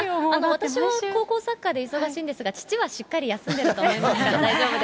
私は高校サッカーで忙しいんですが、父はしっかり休んでいると思いますので大丈夫です。